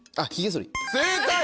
正解！